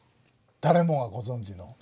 誰もがご存じの。